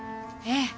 ええ。